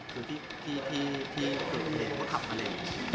คือที่เครื่องมาลัย